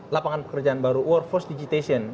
lapangan pekerjaan baru workforce digitization